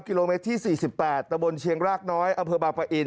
กิโลเมตรที่๔๘ตะบนเชียงรากน้อยอำเภอบางปะอิน